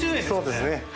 そうですねはい。